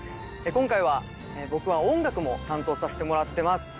今回は僕は音楽も担当させてもらってます。